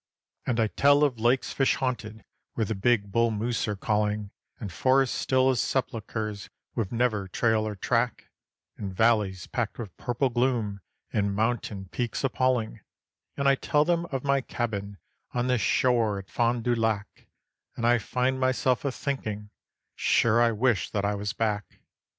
And I tell of lakes fish haunted, where the big bull moose are calling, And forests still as sepulchres with never trail or track; And valleys packed with purple gloom, and mountain peaks appalling, And I tell them of my cabin on the shore at Fond du Lac; And I find myself a thinking: Sure I wish that I was back.